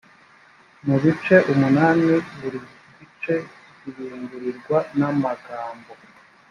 mu bice umunani buri gice kibimburirwa n amagambo